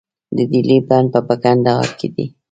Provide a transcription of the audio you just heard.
د دهلې بند په کندهار کې دی